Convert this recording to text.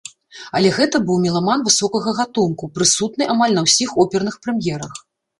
Але гэта быў меламан высокага гатунку, прысутны амаль на ўсіх оперных прэм'ерах.